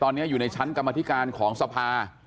ตอนนี้อยู่ในชั้นกรรมธิการของสภา